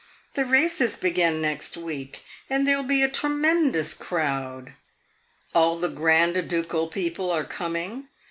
The races begin next week and there 'll be a tremendous crowd. All the grand ducal people are coming.